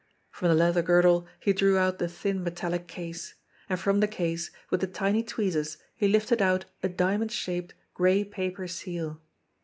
From the leather girdle he drew out the thin metallic case ; and from the case, with the tiny tweezers, he lifted out a diamond shaped, gray paper seal.